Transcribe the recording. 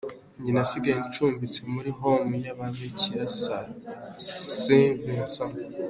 Njye nasigaye ncumbitse muri Home y’ababikira ba Saint Vincent.